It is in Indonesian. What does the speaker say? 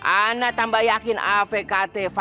ana tambah yakin afk tefah